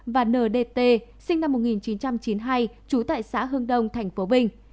và ndt sinh năm một nghìn chín trăm chín mươi hai trú tại xã hưng đông tp vinh